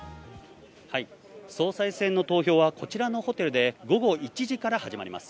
総裁選の投票はこちらのホテルで午後１時から始まります。